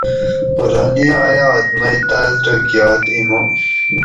قرآنِ آیات مئی تاۤس رہ گیات ایمان